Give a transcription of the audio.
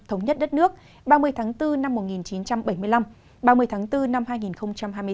thống nhất đất nước ba mươi tháng bốn năm một nghìn chín trăm bảy mươi năm ba mươi tháng bốn năm hai nghìn hai mươi bốn